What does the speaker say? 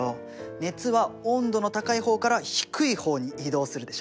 熱は温度の高い方から低い方に移動するでしょ？